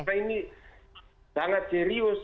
karena ini sangat serius